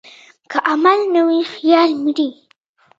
که عمل نه وي، خیال مري.